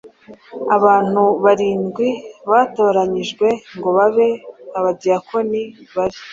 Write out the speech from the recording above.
Abantu barindwi batoranyijwe ngo babe abadiyakoni bari